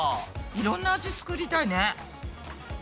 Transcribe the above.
いろんな味作りたいね。